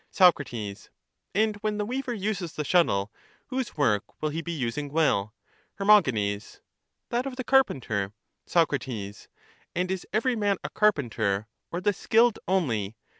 Soc. And when the weaver uses the shuttle, whose work will he be using well? Her. That of the carpenter. Soc. And is every man a carpenter, or the skilled only?